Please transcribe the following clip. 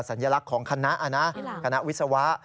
สัญลักษณ์ของคณะคณะวิศวะ